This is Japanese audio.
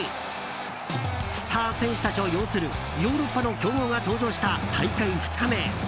スター選手たちを擁するヨーロッパの強豪が登場した大会２日目。